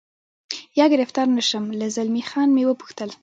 یا ګرفتار نه شم، له زلمی خان مې و پوښتل.